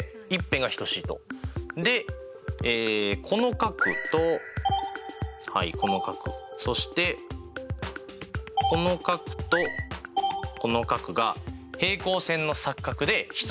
でこの角とこの角そしてこの角とこの角が平行線の錯角で等しい。